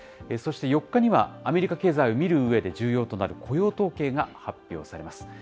そして４日には、アメリカ経済を見るうえで重要となる雇用統計が発表されます。